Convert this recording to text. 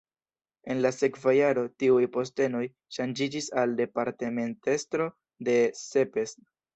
En la sekva jaro tiuj postenoj ŝanĝiĝis al departementestro de Szepes.